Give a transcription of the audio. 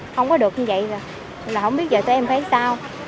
không có được như vậy rồi là không biết giờ tụi em phải làm sao